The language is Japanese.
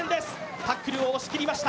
タックルを押し切りました。